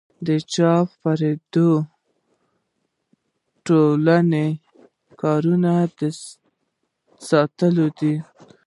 د چاپ او خپرندویه ټولنو کارونه د ستایلو دي.